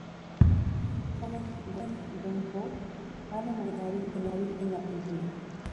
Cuando era joven, Don Ho ha demostrado ser hábil en la pintura.